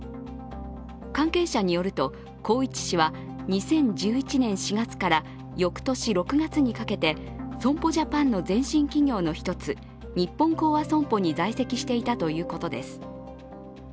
関係者によると、宏一氏は２０１１年４月から翌年６月にかけて損保ジャパンの前身企業の一つ日本興亜損保に在籍していたということです。